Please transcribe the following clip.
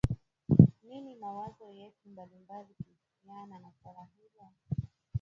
nini mawazo ya watu mbalimbali kuhusiana na swala hilo